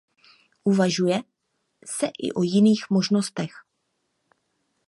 Uvažuje se i o jiných možnostech.